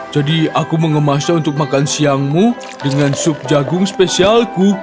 jadi aku mau memasak untuk makan siangmu dengan sup jagung spesialku